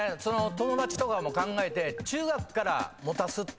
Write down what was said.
友達とかも考えて。